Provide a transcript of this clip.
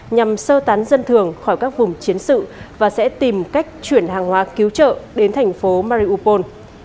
nhằm sơ tán dân thường khỏi các vùng chiến sự và sẽ tìm cách chuyển hàng hóa cứu trợ đến thành phố mariupol